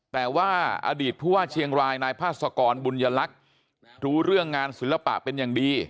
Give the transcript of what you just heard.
แต่ว่าอดีตผู้ว่าเชียงรายนายพาสกรบุญยลักษณ์รู้เรื่องงานศิลปะเป็นอย่างดี